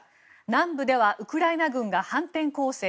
南部ではウクライナ軍が反転攻勢。